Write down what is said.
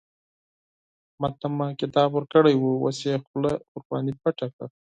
احمد ته مې کتاب ورکړی وو؛ اوس يې خوله ورباندې پټه کړه.